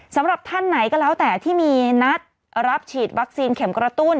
สำหรับท่านไหนก็แล้วแต่ที่มีนัดรับฉีดวัคซีนเข็มกระตุ้น